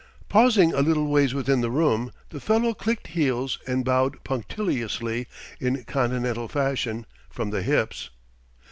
Pausing a little ways within the room, the fellow clicked heels and bowed punctiliously in Continental fashion, from the hips.